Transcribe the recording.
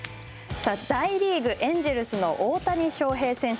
さあ、大リーグ、エンジェルスの大谷翔平選手。